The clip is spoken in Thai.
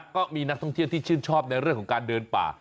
ก็มีนักท่องเที่ยวที่ชื่นชอบในเรื่องของการเดินป่า